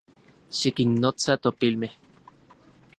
Xikinnotsa topilmej